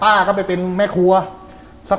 บางคนก็สันนิฐฐานว่าแกโดนคนติดยาน่ะ